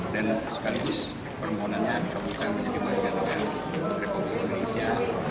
dan sekaligus permohonannya dikabutkan menjadi manja dengan republik indonesia